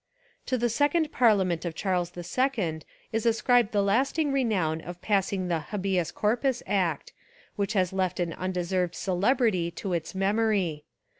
To the second parliament of Charles II Is ascribed the lasting renown of passing the Ha beas Corpus Act, which has left an undeserved celebrity to its memory.